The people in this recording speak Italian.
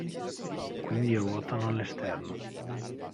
Quindi ruotano all'esterno.